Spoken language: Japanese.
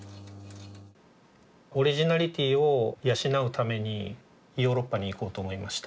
オリジナリティーを養うためにヨーロッパに行こうと思いました。